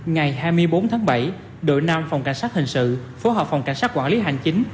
ngày hai mươi bốn tháng bảy đội năm phòng cảnh sát hình sự phối hợp phòng cảnh sát quản lý hành chính